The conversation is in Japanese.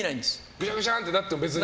ぐしゃぐしゃってなっても別に。